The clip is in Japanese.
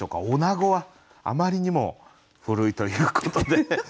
「おなご」はあまりにも古いということで。